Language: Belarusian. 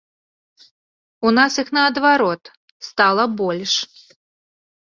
У нас іх наадварот стала больш.